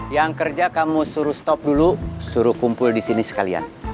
yang kerja kamu suruh stop dulu suruh kumpul di sini sekalian